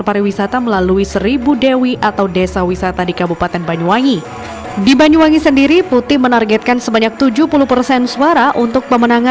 harus di penataan hukumannya juga harus dikoordinasikan dengan kabupaten kota